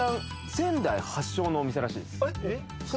仙台発祥のお店らしいですそれ